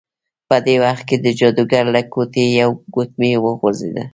په دې وخت کې د جادوګر له ګوتې یوه ګوتمۍ وغورځیده.